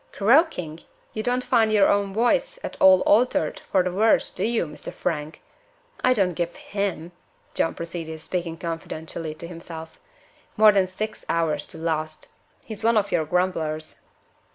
"Croaking? You don't find your own voice at all altered for the worse do you, Mr. Frank? I don't give him," John proceeded, speaking confidentially to himself, "more than six hours to last. He's one of your grumblers."